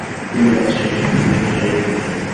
তিনি বাদশাহকে সম্পূর্ণ সারিয়ে তুললেন।